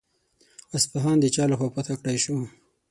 اصفهان د چا له خوا فتح کړای شو؟